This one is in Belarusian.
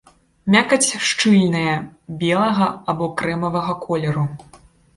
Мякаць шчыльная, белага або крэмавага колеру.